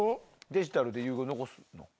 デジタルで遺言残すの？